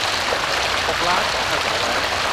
หกล้านสองพันสามร้อย